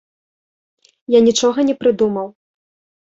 Я нічога не прыдумаў.